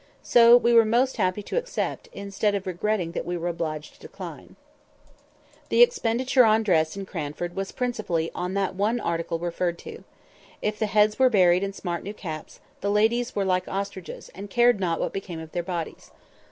So "we were most happy to accept," instead of "regretting that we were obliged to decline." [Picture: Mr Mulliner] The expenditure on dress in Cranford was principally in that one article referred to. If the heads were buried in smart new caps, the ladies were like ostriches, and cared not what became of their bodies.